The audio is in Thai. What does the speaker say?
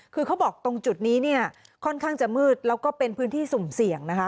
คือเขาบอกตรงจุดนี้เนี่ยค่อนข้างจะมืดแล้วก็เป็นพื้นที่สุ่มเสี่ยงนะคะ